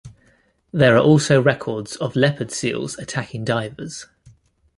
There are also records of leopard seals attacking divers.